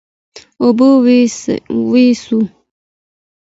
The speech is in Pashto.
اوبه ورسوه.